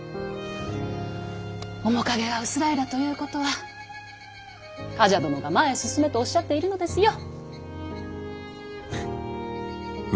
面影が薄らいだということは冠者殿が前へ進めとおっしゃっているのですよ。